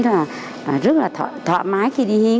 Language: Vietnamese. rất là thoải mái khi đi hiến